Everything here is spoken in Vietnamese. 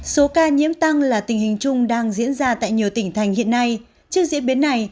số ca nhiễm tăng là tình hình chung đang diễn ra tại nhiều tỉnh thành hiện nay trước diễn biến này